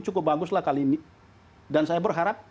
cukup bagus lah kali ini dan saya berharap